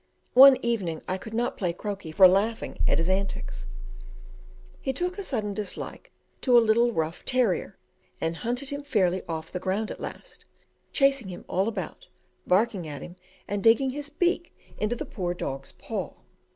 One evening I could not play croquet for laughing at his antics. He took a sudden dislike to a little rough terrier, and hunted him fairly off the ground at last, chasing him all about, barking at him, and digging his beak into the poor dog's paw.